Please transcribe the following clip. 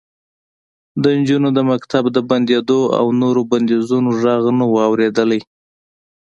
د نجونو د مکتب د بندېدو او نورو بندیزونو غږ نه و اورېدلی